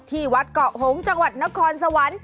ที่วัดเกาะหงษ์จังหวัดนครสวรรค์